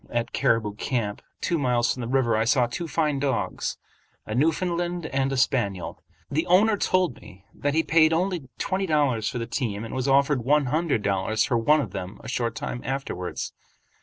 At "Caribou Camp," two miles from the river, I saw two fine dogs, a Newfoundland and a spaniel. Their owner told me that he paid only twenty dollars for the team and was offered one hundred dollars for one of them a short time afterwards.